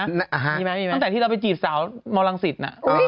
มีไหมตั้งแต่ที่เราไปจีบสาวมอลังศิษย์